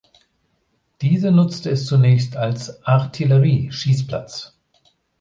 Diese nutzte es zunächst als Artillerie-Schießplatz.